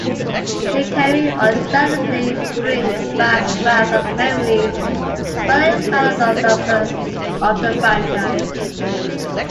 'Hikari' undoubtedly brings back wealth of memories for any fan of the franchise.